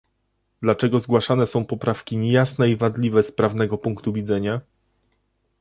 Dlaczego zgłaszane są poprawki niejasne i wadliwe z prawnego punktu widzenia?